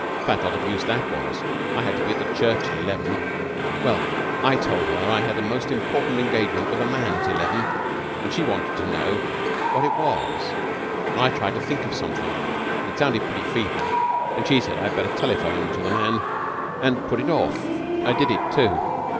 A fat lot of use that was! I had to be at the church at eleven. Well, I told her I had a most important engagement with a man at eleven, and she wanted to know what it was and I tried to think of something, but it sounded pretty feeble and she said I had better telephone to the man and put it off. I did it, too.